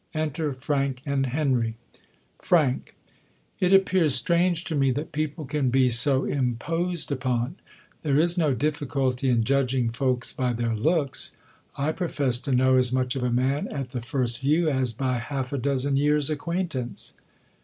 Enter Frank ayid Henry. Fra k T^ appears strange to me that people can be '^' I so imposed upon. There is no difficulty in piidging folks by their looks. I profess to know as jmuch of a man, at the first view, as by half a dozen years acquaintance.